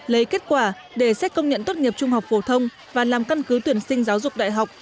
lấy kết quả để xét công nhận tốt nghiệp trung học phổ thông và làm căn cứ tuyển sinh giáo dục đại học